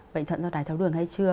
bệnh thuận do đáy tháo đường hay chưa